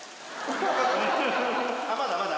まだまだ？